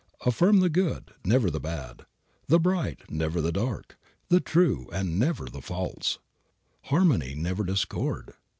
Affirm the good, never the bad; the bright, never the dark; the true, and never the false; harmony, never discord.